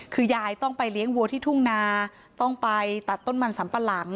คือยายต้องไปเลี้ยงวัวที่ทุ่งนาต้องไปตัดต้นมันสัมปะหลัง